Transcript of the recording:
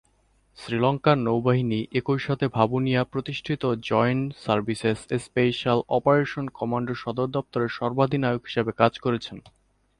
শ্রীলঙ্কা নৌবাহিনী একই সাথে ভাভুনিয়ায় প্রতিষ্ঠিত joint services special operations command সদর দপ্তরের সর্বাধিনায়ক হিসাবে কাজ করেছিলেন।